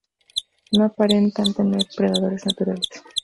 No aparentan tener predadores naturales.